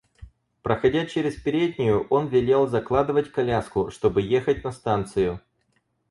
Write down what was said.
Проходя через переднюю, он велел закладывать коляску, чтобы ехать на станцию.